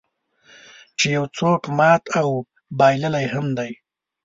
چې یو څوک مات او بایللی هم دی.